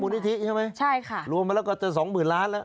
๓มณีที่ใช่ไหมรวมมาแล้วก็จะ๒๐๐๐๐ล้านบาทแล้ว